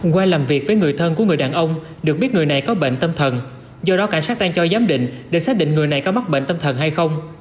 qua làm việc với người thân của người đàn ông được biết người này có bệnh tâm thần do đó cảnh sát đang cho giám định để xác định người này có mắc bệnh tâm thần hay không